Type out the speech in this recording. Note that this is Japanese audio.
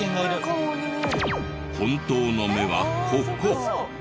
本当の目はここ。